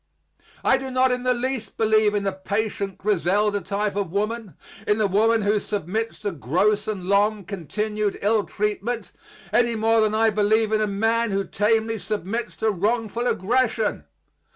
I do not in the least believe in the patient Griselda type of woman, in the woman who submits to gross and long continued ill treatment, any more than I believe in a man who tamely submits to wrongful aggression.